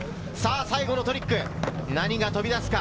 最後のトリック、何が飛び出すか？